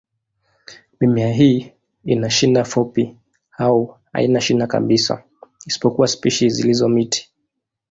Mimea hii ina shina fupi au haina shina kabisa, isipokuwa spishi zilizo miti.